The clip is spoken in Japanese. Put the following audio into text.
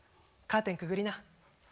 カーテンくぐりな。